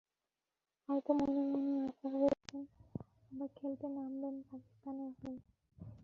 হয়তো মনে মনে আশা করে আছেন, আবার খেলতে নামবেন পাকিস্তানের হয়ে।